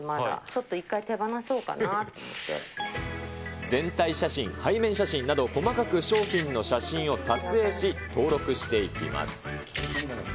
ちょっと一回、手放そうかなと思全体写真、背面写真など、細かく商品の写真を撮影し、登録していきます。